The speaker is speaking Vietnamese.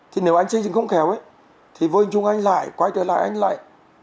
thì nếu anh xây dựng không khéo ấy thì vô hình chung anh lại quay trở lại anh lại